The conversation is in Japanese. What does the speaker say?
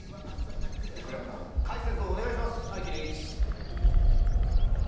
ＫＲＥＶＡさん解説をお願いします。